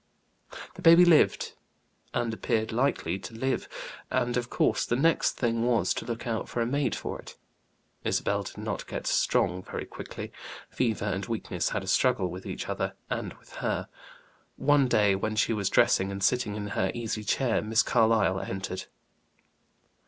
The baby lived, and appeared likely to live, and of course the next thing was to look out for a maid for it. Isabel did not get strong very quickly. Fever and weakness had a struggle with each other and with her. One day, when she was dressing and sitting in her easy chair, Miss Carlyle entered.